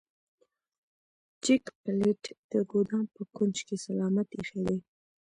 جک پلیټ د ګدام په کونج کې سلامت ایښی دی.